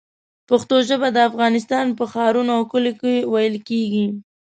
پښتو ژبه د افغانستان په ښارونو او کلیو کې ویل کېږي.